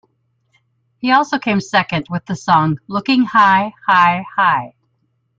He also came second, with the song "Looking High, High, High".